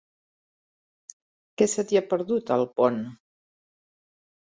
Què se t'hi ha perdut, a Alpont?